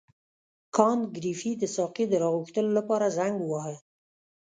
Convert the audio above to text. کانت ګریفي د ساقي د راغوښتلو لپاره زنګ وواهه.